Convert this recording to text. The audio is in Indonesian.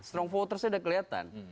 strong votersnya udah kelihatan